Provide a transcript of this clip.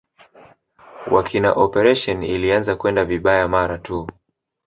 wa kina operesheni ilianza kwenda vibayaa mara tu